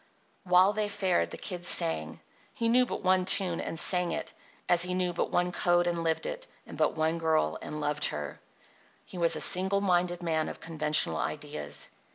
While they fared the Kid sang. He knew but one tune and sang it, as he knew but one code and lived it, and but one girl and loved her. He was a single minded man of conventional ideas.